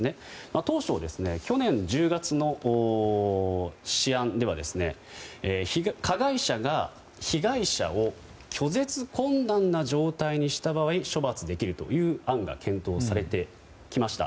当初、去年１０月の試案では加害者が被害者を拒絶困難な状態にした場合処罰できるという案が検討されてきました。